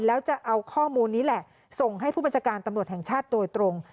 แล้วจะเอาข้อมูลนี้แหละส่งให้ผู้บัญชาการตำรวจแห่งชาติโดยตรง